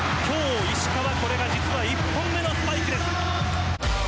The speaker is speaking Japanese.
今日石川これが実は１本目のスパイクです。